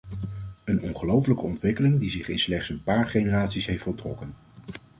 Een ongelooflijke ontwikkeling die zich in slechts een paar generaties heeft voltrokken.